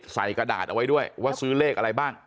กระดาษเอาไว้ด้วยว่าซื้อเลขอะไรบ้าง